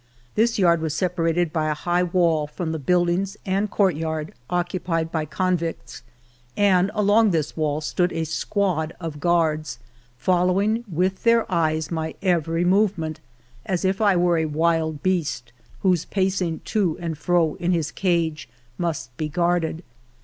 This yard was separated by a high wall from the buildings and courtyard occupied by 78 FIVE YEARS OF MY LIFE convicts, and along this wall stood a squad of guards following with their eyes my every move ment, as if I were a wild beast whose pacing to and fro in his cage must be guarded.